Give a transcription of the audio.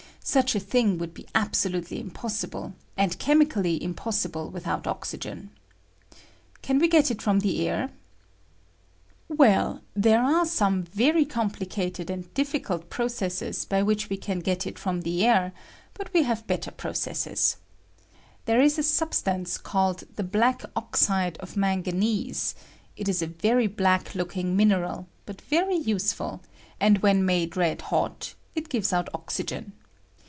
Such a thing would be absolutely impossible, and chem ically impossible without oxygen. Can we ^^V no PREPARATION OP OXYGEN. I get it from the air ? Well, there are some very I I complicated and difBciolt processes by which we can get it from the air; but we have better proceasea. There is a substance called the black oxide of manganese ; it is a very black looking mineral, but very useful, and when made red hot it gives out oxygen.